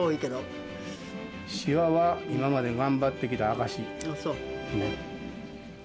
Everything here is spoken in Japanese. しわは今まで頑張ってきた証ああ、そう。